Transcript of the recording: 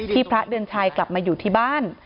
พระเดือนชัยกลับมาอยู่ที่บ้าน